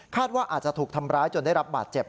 ว่าอาจจะถูกทำร้ายจนได้รับบาดเจ็บ